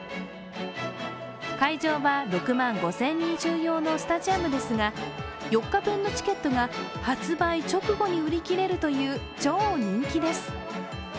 会場は６万５０００人収容のスタジアムですが４日分のチケットが発売直後に売りきれるという超人気です。